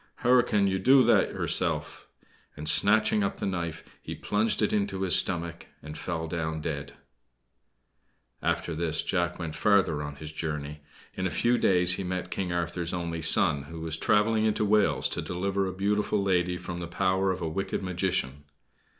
"Hur can do that hurself!" and, snatching up the knife, he plunged it into his stomach and fell down dead. After this, Jack went farther on his journey. In a few days he met King Arthur's only son, who was traveling into Wales to deliver a beautiful lady from the power of a wicked magician.